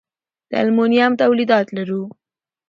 د المونیم تولیدات لرو؟